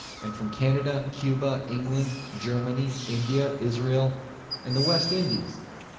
And from Canada, Cuba, England, Germany, India, Israel and the West Indies.